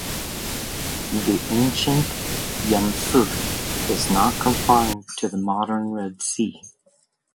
The ancient "yam suf" is not confined to the modern Red Sea.